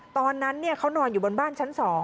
ตอนนั้นเขานอนอยู่บนบ้านชั้น๒